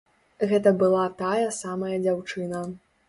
Гэта была тая самая дзяўчына.